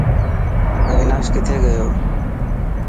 اويناش ڪٿي گيو.